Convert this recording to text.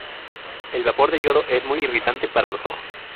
El vapor de yodo es muy irritante para los ojos.